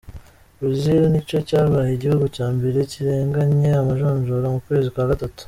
Brésil nico cabaye igihugu ca mbere kirenganye amajonjora mu kwezi kwa gatatu.